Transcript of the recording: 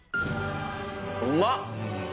うまっ。